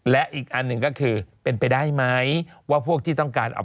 และอีกอันหนึ่งก็คือเป็นไปได้ไหม